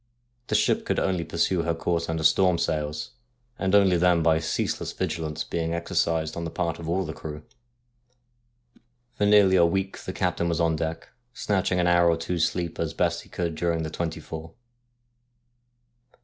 The ship could only pursue her course under storm sails, and only then by ceaseless vigilance being exercised on the part of all the crew. For nearly a week the captain was on deck, snatching an hour or two's sleep as best he could during the twenty four.